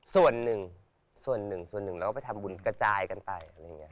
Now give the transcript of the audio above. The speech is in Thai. ส่วนหนึ่งส่วนหนึ่งส่วนหนึ่งแล้วก็ไปทำบุญกระจายกันไป